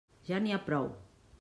Ja n'hi ha prou!